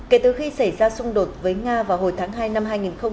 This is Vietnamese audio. kể từ khi xảy ra xung đột với nga vào hồi tháng hai năm hai nghìn hai mươi